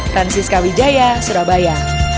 transis kwj surabaya